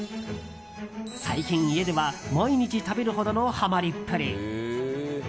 最近、家では毎日食べるほどのはまりっぷり。